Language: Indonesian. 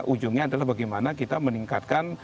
ujungnya adalah bagaimana kita meningkatkan